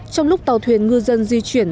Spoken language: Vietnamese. trong lúc tàu thuyền ngư dân di chuyển